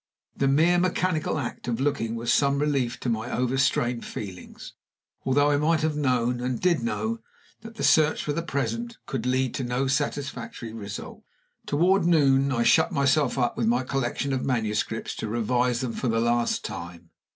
The mere mechanical act of looking was some relief to my overstrained feelings, although I might have known, and did know, that the search, for the present, could lead to no satisfactory result. Toward noon I shut myself up with my collection of manuscripts to revise them for the last time.